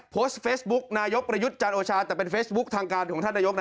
โพสต์เฟซบุ๊กนายกประยุทธ์จันโอชาแต่เป็นเฟซบุ๊คทางการของท่านนายกนะ